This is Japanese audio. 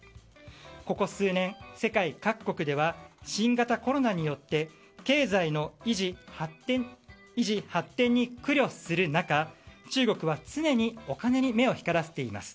ここ数年、世界各国では新型コロナによって経済の維持・発展に苦慮する中中国は常にお金に目を光らせています。